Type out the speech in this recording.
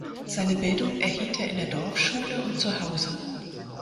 Seine Bildung erhielt er in der Dorfschule und zu Hause.